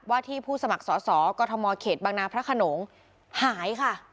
ที่ผู้สมัครสอสอกรทมเขตบางนาพระขนงหายค่ะ